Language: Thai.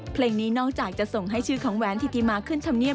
เพลงนี้นอกจากจะส่งให้ชื่อของแหวนธิติมาขึ้นธรรมเนียบ